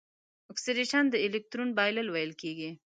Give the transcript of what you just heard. اکسیدیشن د الکترون بایلل ویل کیږي.